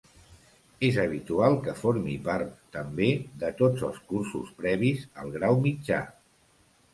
És habitual que formi part, també, de tots els cursos previs al grau mitjà.